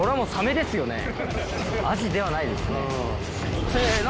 ・アジではないですね・せの。